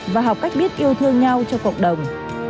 và học cách biết yêu thương nhau cho cộng đồng